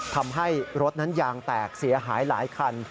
ทำให้รถนั้นยางแตกเสียหายหลายคัน